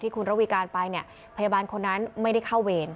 คุณระวีการไปเนี่ยพยาบาลคนนั้นไม่ได้เข้าเวร